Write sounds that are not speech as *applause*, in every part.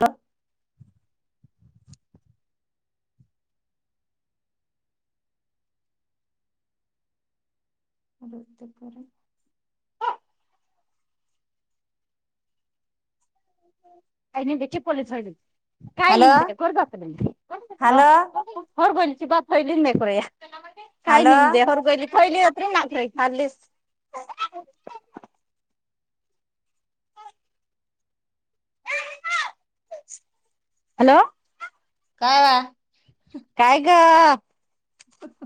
हा बोलते परत काय नाही विकी पोलिस व्हायलित हॅलो *unintelligible* हॅलो हॅलो *unintelligible* *unintelligible* *unintelligible* हॅलो काय वा काय ग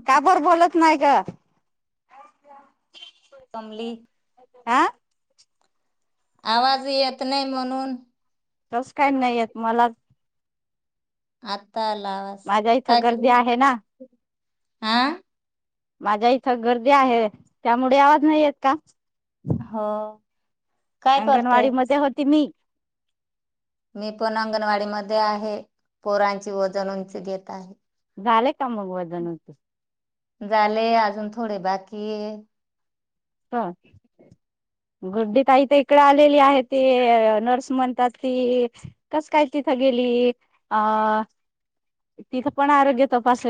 का बर बोलत नाय गं कमली आह आवाज येत नाही म्हणून तस काही नाहीयेत मला आत माझ्या इथं गर्दी आहे ना आह माझ्या इथं गर्दी आहे त्यामुळे आवाज नाही येत का हो काय करतय अंगणवाडी मजे होती मी मी पण अंगणवाडी मध्ये आहे पोरांची वजन उंची घेत आहे झाले मग वाजन उत झाले अजून थोडे बाकी आहेत हा गुड्डी ताई तर इकडे आलेली आहे ते नर्स म्हणतात ती कस काय तिथं गेली अ तिथं पण आरोग्य तपास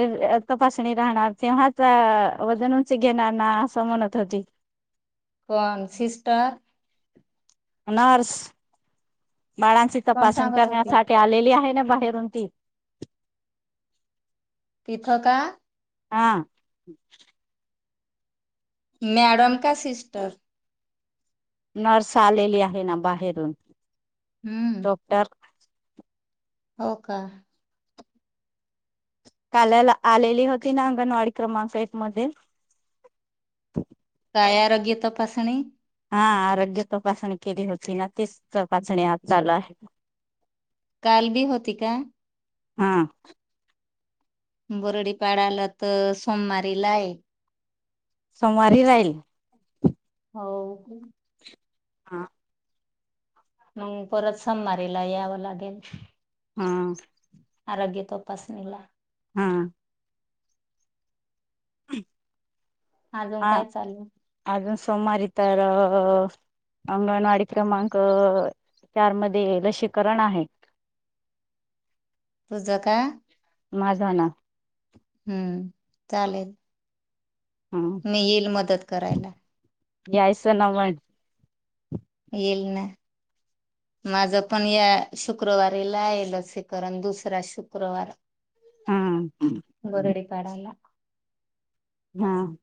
तपासणी राहणार तेव्हाच ना वजन उंच घेणार ना असं म्हणत होती कोण सिस्टर नर्स बाळांची कोण तपासणी सांगत होती करण्यासाठी आलेली आहे ना बाहेरून ती पिथका हा मॅडम का सिस्टर नर्स आलेली आहे ना बाहेरून हम्म डॉक्टर हो का काल्याला आलेली होती ना अंगणवाडी क्रमांक एक मध्ये कायारोग्य तपासणी हा आरोग्य तपासणी केली होती ना तेच तपासणी आज चालू आहे काल बी होती का हा बरडी पाळाला तर सोमवारी लाय सोमवारी राहील हो हा मग परत सममारीला यावं लागेल हा तो तपासणीला हा अजून हम काय चालू ह अून समारी तार अ अंगणवाडी क्रमांक चार मध्ये लसीकरण आहे पूज का माझा ना हम्म चालेल ह मी येईल मदत करायला ग्यायसना म येईल ना माझ पण या शुक्रवारीला ये लसीकरण दुसरा शुक्रवार हम् पडला हम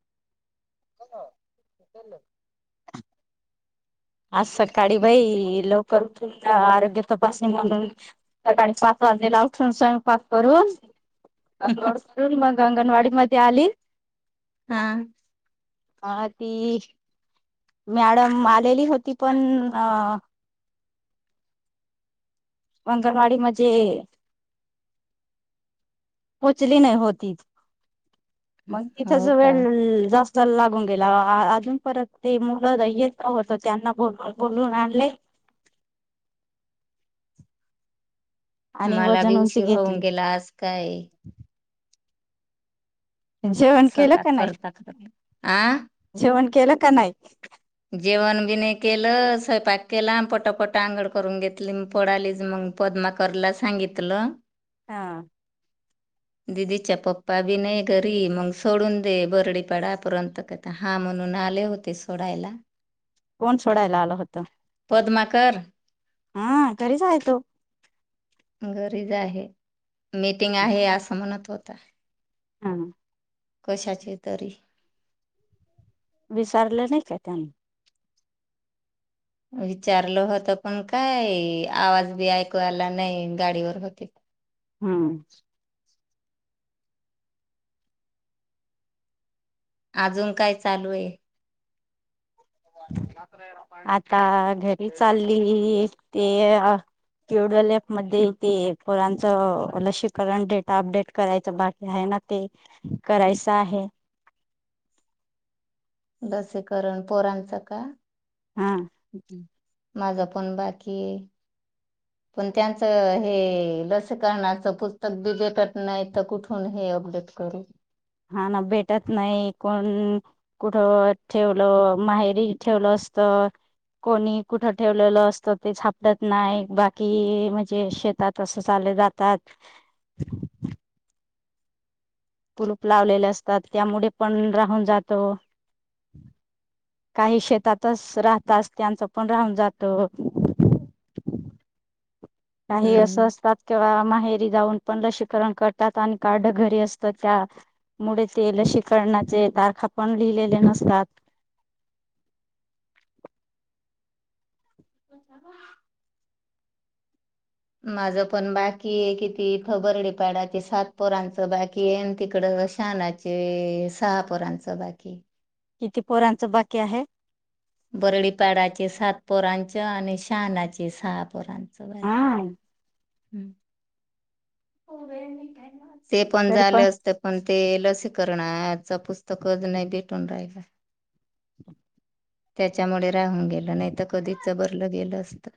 आज सकाळी बाई लवकर तुम आरोग्य तपासणी म्हणून सकाळी पाच वाजेला उठून स्वयंपाक करून अडून मग अंगणवाडी मध्ये आली हा ह ती मॅडम आलेली होती पण अ मंगणवाडी मजे पोचली नाही होती मग तिथच हो का वेळ जास्त चल लागून गेला अजून परत ते मुलं होत त्यांना बोल बोलून आणले आणि आम्हाला बी वजन उंची उशीर होऊन घेतली गेलास काय जेवण केलं स्वयंपाक का नाही करता करता आ जेवण केलं का नाही जेवण बी नाही केलं स्वयंपाक केला पटापट अंगळ करून घेतली पडालीच मग पद्मा करला सांगितलं हा दिदीच्या पप्पा बी नाही घरी मग सोडून दे बरडीपाडापर्यंत कता हा म्हणून आले होते सोडायला *unintelligible* कोण सोडायला आल होत पद्माकर हा तरीच आहे तो गरीच आहे मीटिंग आहे असं म्हणत होता हा कशाचे तरी विचारलं नाही का त्यांनी विचारलं होत पण काय आवाज बी ऐकवायला नाही गाडीवर होते हम्म अजून काय चालू आहे आता घरी चालली ते क्युडल एप म ते पोरांचं लसकरण डेटा अपडेट करायचं बाकी आहे ना ते करायचं आहे लसीकरण पोरांचं का हा जी माझं पण बाकी पण त्यांचं हे लसीकरणाचं पुस्तक बी भेटत नाही तर कुठून हे अपडेट करू हा ना भेटत नाही कोण कुठ ठेवलं माहेरी ठेवलं असत कोणी कुठ ठेवलेलं असतं ते झापडत नाही बाकी म्हणजे शेतात असं चाले जातात कुलूप लावलेले असतात त्यामुळे पण राहून जातो काही शेतातच राहत अस त्यांचं पण राहून जातो काही असं हम्म असतात किंवा माहेरी जाऊन पण लसीकरण करतात आणि कारड घरी असत त्यामुळे ते लसीकरणाचे तारखा पण लिहिलेले नसतात सा ह माझ पण बाकी आहे कितीथ बर्डीपाडाचे सात पोरांचं बाकी आहे आणि तिकड शहानाचे सहा पोरांचं बाकी किती पोरांचं बाकी आहे बरडीपाडाचे सात पोरांच आणि शहाणाचे सहा पोरांच स हा आहेखी हम्म हो वेळ म का आहे ना ते पण झाले असते पण ते लसीकरणाच पुस्तकच नाही भेटून राहिला त्याच्यामुळे राहून गेलं नाही तर कधीच भरलं गेलं असत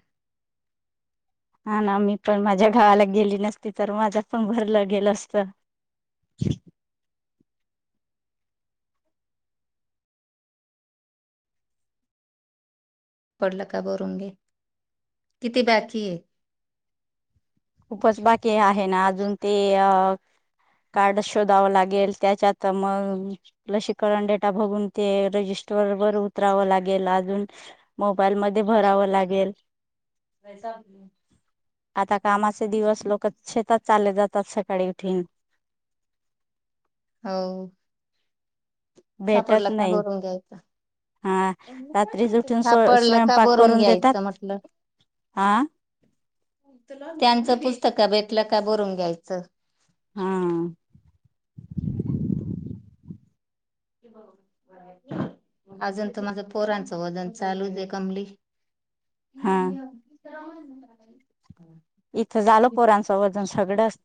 हा ना मी पण माझ्या गावाला गेली नसती तर माझ्या पण भरलं गेलं असत पडलं का बरुंगे किती बाकी ये खूपच बाकी आहे ना अजून ते कार्ड शोधावं लागेल त्याच्यात मग लसीकरण डेटा बघून ते रजिस्टर वर उतरावं लागेल अजून मोबाईल मध्ये भरावं लागेल वैसा आप आता कामाचे दिवस लोक शेतात चालले जातात सकाळी उठून हो भेटत सापडला का नाही भरून घ्यायचं हा रात्रीच उठून स्व सापडलं का स्वयंपाक भरून करून घ्यायचं देतात म्हटलं हा त्यांचं पुस्तक भेटलं का बरून घ्यायचं हा अजून तर माझं पोरांचं वजन चालू दे कमली हा *unintelligible* इथं झाल पोरांचं वजन सगळंच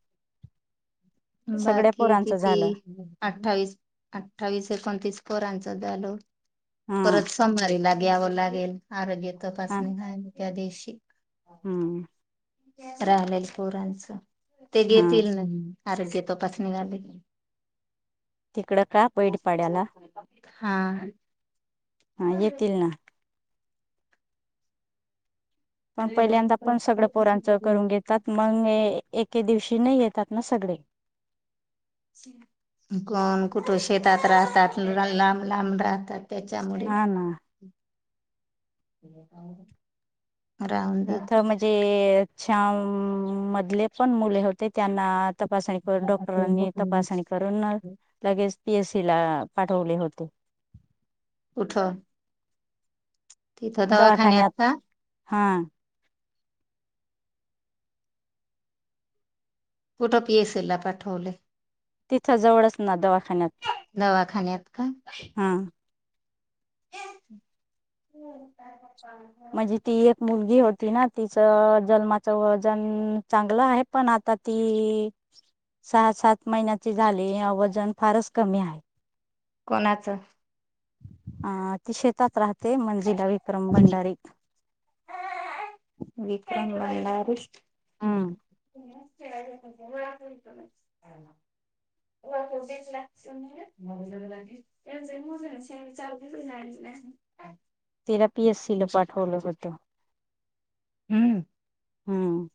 बाकी किती झालं अठ्ठावीस अठ्ठावीस एकोणतीस पोरांच झाल. हा परत संभारी ला घ्यावं लागेल आरोग्य हा तपासणी हाय. त्या दिवशी हम्म राहीलय पोरांचं ते हा घेतील न आरोग्य तपासणी झाली. तिकडं का बैडपाड्याला. हा ह येतील ना. पण पहिल्यांदा आपण सगळं पोरांचं करून घेतात मग एके दिवशी नाही येतात ना सगळे. कोण कुठे शेतात राहतात. लांब लांब राहतात. त्याच्यामुळे. हा ना. *inaudible* जात इथं म्हणजे मधले पण मुले होते त्यांना तपासणी करून डॉक्टरांनी तपासणी करून लगेच पी एस सी ला पाठवले होते. कुठ तिथं दवाखान्यात का हां कुठं पीएसीला पाठवले. तिथं जवळच ना दवाखान्यात दवाखान्यात का हम्म *unintelligible* म्हणजे ती एक मुलगी होती ना तिचं जन्माचं वजन चांगलं आहे. पण आता ती सहा सात महिन्याची झाली वजन फारच कमी आहे. कोणाचं? अ ति शेतात राहते. मंजिला विक्रम भंडारी *unintelligible* विक्रम मलार हो हम्म *unintelligible* बी. एस. सी ला पाठवल होत. हम्म हम्म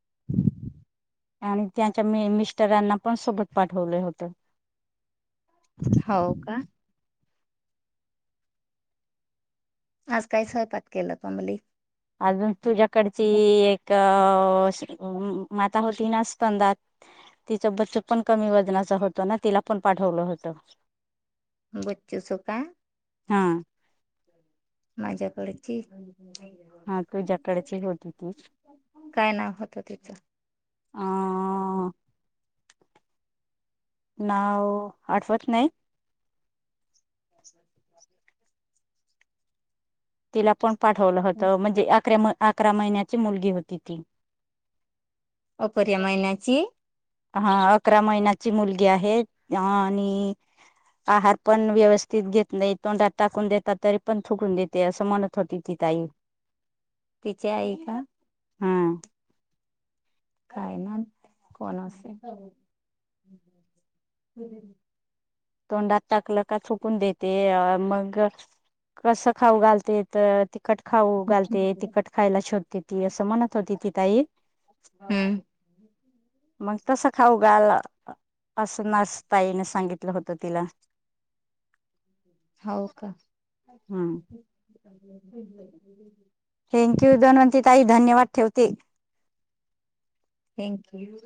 *inaudible* आणि त्यांच्या, मी मिस्टरांना पण सोबत पाठवलं होत. होऊ का आज काय स्वयपाक केलं तुमले? अजून तुझ्याकडची एक अ माता होती ना स्तंदात तिचं बचक पण कमी वजनाचा होतं ना तिला पण पाठवलं होत. बच्चूचं का? हा माझ्याकडची. हा तुझ्याकडची होती ती काय नाव होत तिच? अं, नाव आठवत नाही. *inaudible* तिला पण पाठवलं होतं म्हणजे आकर्या अकरा महिन्याची मुलगी होती ती, अपुर्या महिन्याची. हा अकरा महिन्याची मुलगी आहे... आणि आहार पण व्यवस्थित घेत नाही, तोंडात टाकून देतात तरी पण थुकून देते. ते अस म्हनत होती. ताई तिचे आई का? हा... काय ना.... कोणा असे? तोंडात टाकलं का थुकून देते मग कसं खाऊ घालते तर तिकट खाऊ घालते तीखट खायला शोधते ती असं म्हणत होती ती ताई हम्म मग तसं खाऊ घाल. असं नस ताईने सांगितलं. दिलं होत तिला हाव का? हम्म *inaudible* थँक्यू धनवंती ताई धन्यवाद ठेवते. Thank you.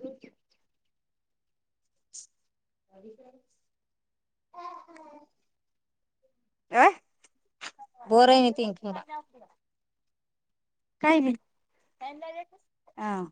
*inaudible* काय? *unintelligible* काय नाही आ